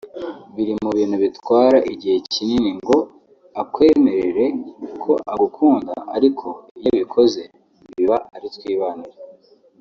biri mu bintu bitwara igihe kinini ngo akwemerere ko agukunda ariko iyo abikoze biba ari twibanire